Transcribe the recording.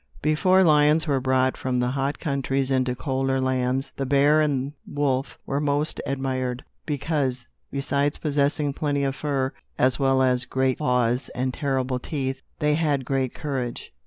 Before lions were brought from the hot countries into colder lands, the bear and wolf were most admired; because, besides possessing plenty of fur, as well as great claws and terrible teeth, they had great courage.